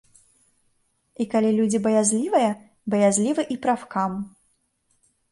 І калі людзі баязлівыя, баязлівы і прафкам.